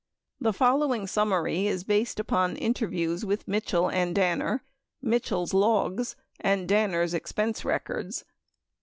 The following summary is based upon interviews with Mitchell and Danner, Mitchell's logs, and Danner's expense records.